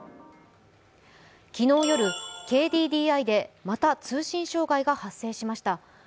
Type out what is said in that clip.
昨日夜、ＫＤＤＩでまた通信障害が発生しました。